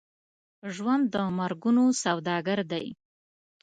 ژوند د مرګونو سوداګر دی.